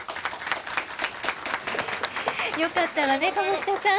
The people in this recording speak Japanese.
よかったわね鴨志田さん。